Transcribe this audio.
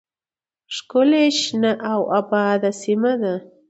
، ښکلې، شنه او آباده سیمه ده.